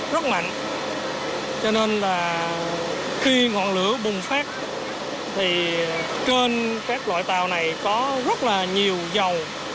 rất mạnh cho nên là khi ngọn lửa bùng phát thì trên các loại tàu này có rất là nhiều dầu